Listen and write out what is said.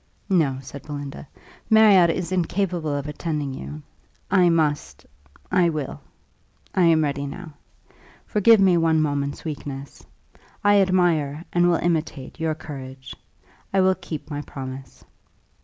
"No," said Belinda, "Marriott is incapable of attending you. I must I will I am ready now. Forgive me one moment's weakness. I admire, and will imitate, your courage. I will keep my promise."